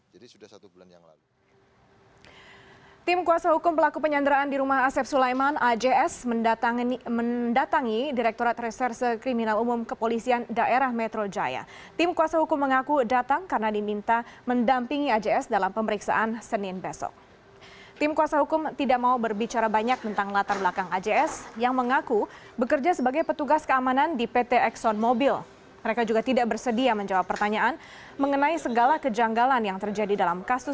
jadi sudah satu bulan yang lalu